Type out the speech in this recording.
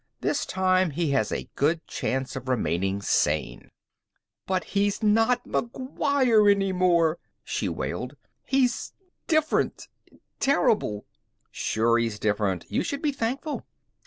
"This time, he has a good chance of remaining sane." "But he's not McGuire any more!" she wailed. "He's different! Terrible!" "Sure he's different. You should be thankful."